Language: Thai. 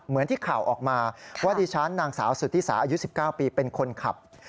เหมือนที่ข่าวออกมาว่าดิฉันนางสาวสุธิสาอายุ๑๙ปีเป็นคนขับ